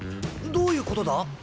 どういうことだ？